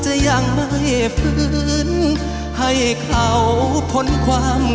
ช่ายโลงเรื่องทำให้เตรียมรอบกัน